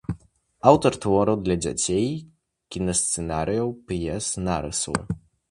Аўтар твораў для дзяцей, кінасцэнарыяў, п'ес, нарысаў.